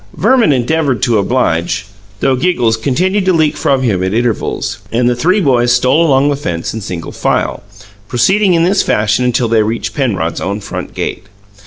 Verman endeavoured to oblige, though giggles continued to leak from him at intervals, and the three boys stole along the fence in single file, proceeding in this fashion until they reached Penrod's own front gate.